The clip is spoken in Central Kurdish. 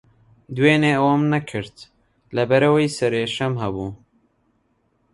دوێنێ ئەوەم نەکرد، لەبەرەوەی سەرێشەم ھەبوو.